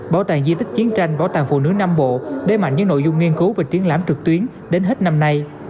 bảo tàng di tích chiến tranh bảo tàng phụ nữ nam bộ để mạnh những nội dung nghiên cứu và triển lãm trực tuyến đến hết năm nay